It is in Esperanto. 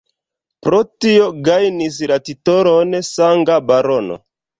Pro tio gajnis la titolon Sanga Barono.